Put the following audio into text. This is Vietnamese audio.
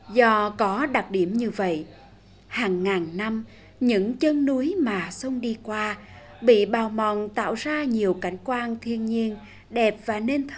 do có đặc điểm như vậy hàng ngàn năm những chân núi mà sông đi qua bị bào mòn tạo ra nhiều cảnh quan thiên nhiên đẹp